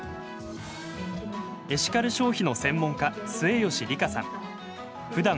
エシカル消費の専門家末吉里花さん。